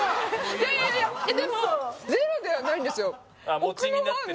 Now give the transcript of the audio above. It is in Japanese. いやいやいやでもゼロではないんですよ